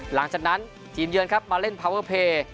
หลังจากนั้นทีมเยือนครับมาเล่นพาวเวอร์เพย์